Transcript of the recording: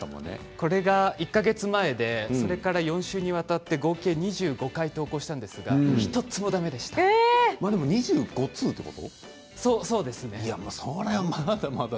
これが１か月前でそれから４週にわたって合計２５回投稿したんですが２５通ということ？